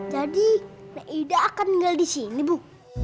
jadi nek ida akan tinggal di sini bu